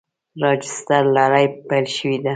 راجستر لړۍ پیل شوې ده.